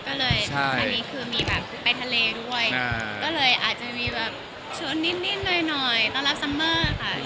ก็เลยอาจจะมีแบบชนนิดนิดหน่อยต้องรับซัมเมอร์ค่ะ